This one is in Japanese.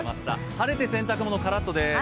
晴れて洗濯物カラッとです。